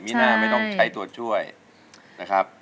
มีน่าไม่ต้องใช้ตัวช่วยนะครับ